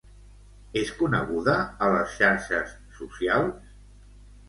És coneguda a les xarxes socials?